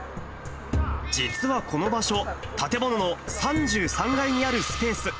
実はこの場所、建物の３３階にあるスペース。